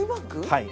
はい。